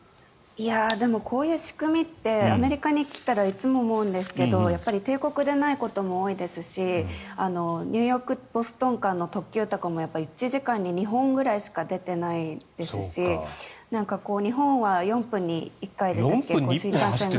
でもこういう仕組みってアメリカに来たらいつも思うんですけど定刻でないことも多いですしニューヨークボストン間の特急とかもやっぱり１時間に２本ぐらいしか出てないですし日本は４分に１回でしたっけ。